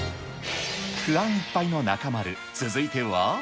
不安いっぱいの中丸、続いては。